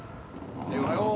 おはよう。